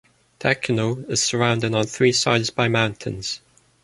Takinoue is surrounded on three sides by mountains.